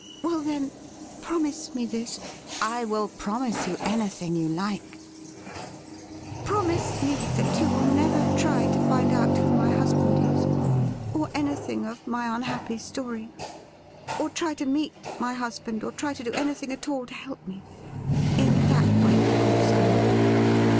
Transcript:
Well, then, promise me this '' I will promise you anything you like !'' Promise me that you will never try to find out who my husband is, or anything of my unhappy story, or try to meet my husband, or try to do anything at all to help me — in that way, of course, I mean.'